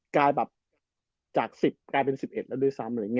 กลายแบบจาก๑๐กลายเป็น๑๑แล้วด้วยซ้ำอะไรอย่างนี้